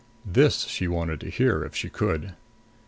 This she wanted to hear, if she could.